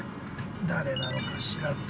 誰なのかしらと。